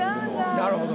なるほど。